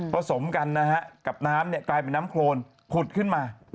สมกันนะฮะกับน้ำเนี่ยกลายเป็นน้ำโครนผุดขึ้นมา